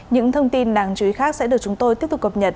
những thông tin đáng chú ý khác sẽ được chúng tôi tiếp tục cập nhật